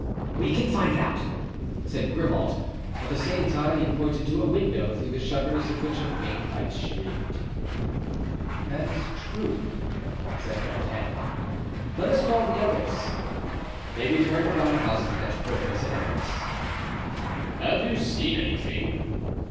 "We can find out," said Grimaud. At the same time he pointed to a window, through the shutters of which a faint light streamed. "That is true," said D'Artagnan, "let us call the others." They returned around the house to fetch Porthos and Aramis. "Have you seen anything?"